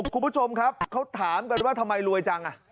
คุณผู้ชมครับเขาถามกันว่าทำไมรวยจัง